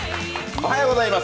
おはようございます。